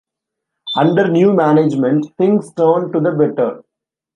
Under new management, things turned to the better.